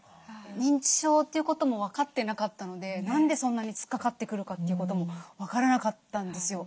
認知症ということも分かってなかったので何でそんなに突っかかってくるかということも分からなかったんですよ。